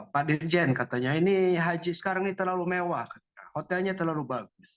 pak dirjen katanya ini haji sekarang ini terlalu mewah hotelnya terlalu bagus